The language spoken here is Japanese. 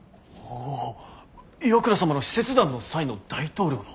おぉ岩倉様の使節団の際の大統領の！